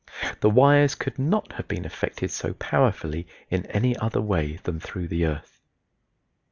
The wires could not have been affected so powerfully in any other way than through the earth.